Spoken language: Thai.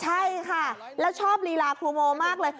ใช่ค่ะแล้วชอบลีลาครูโมมากเลย